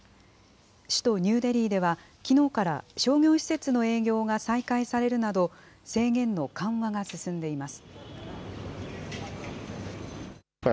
首都ニューデリーでは、きのうから商業施設の営業が再開されるなど、制限の緩和が進んでいます。